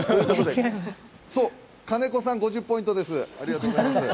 金子さん、５０ポイントです。